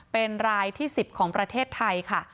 เป็นรายที่๑๐ของประเทศไทยค่ะ